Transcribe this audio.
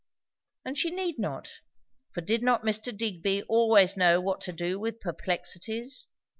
And she need not; for did not Mr. Digby always know what to do with perplexities?